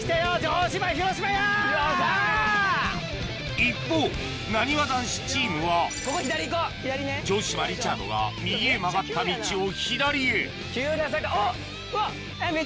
一方なにわ男子チームは城島リチャードが右へ曲がった道を左へ急な坂あっ！